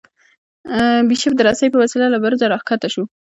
بیشپ د رسۍ په وسیله له برجه راکښته شو.